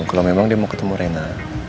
kalau memang dia mau ketemu rena